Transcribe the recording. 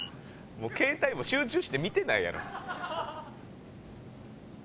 「もう携帯も集中して見てないやろ」おい！